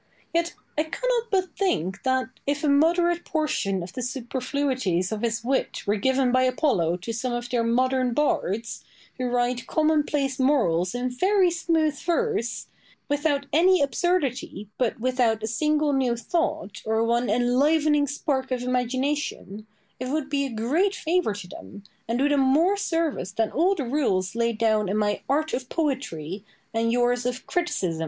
Yet I cannot but think that, if a moderate portion of the superfluities of his wit were given by Apollo to some of their modern bards, who write commonplace morals in very smooth verse, without any absurdity, but without a single new thought, or one enlivening spark of imagination, it would be a great favour to them, and do them more service than all the rules laid down in my "Art of Poetry" and yours of "Criticism."